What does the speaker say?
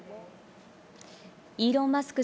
イーロン・マスク